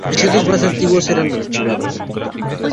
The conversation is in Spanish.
Los episodios más antiguos eran archivados.